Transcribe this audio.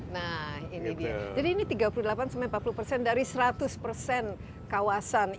nah ini dia jadi ini tiga puluh delapan sampai empat puluh persen dari seratus persen kawasan ini